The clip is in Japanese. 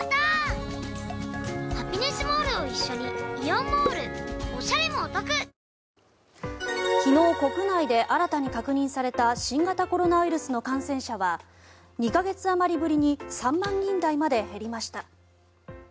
アメリカの場合は昨日、国内で新たに確認された新型コロナウイルスの感染者は２か月あまりぶりに３万人台まで減りました。